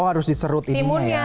oh harus diserut ini ya